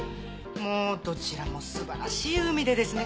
もうどちらもすばらしい海でですね。